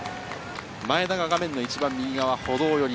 前田が画面の一番右側歩道寄り。